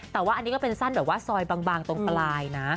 แต่ว่าอันนี้ก็เป็นสั้นแบบว่าซอยบางตรงปลายนะ